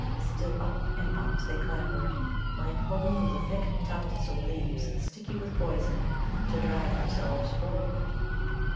Still up and up they clambered, laying hold of the thick tufts of leaves sticky with poison to drag themselves forward.